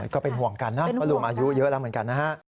ก็เป็นห่วงกันนะเพราะลุงอายุเยอะแล้วเหมือนกันนะฮะ